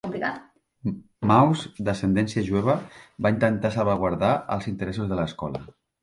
Mauss, d'ascendència jueva, va intentar "salvaguardar els interessos" de l'escola.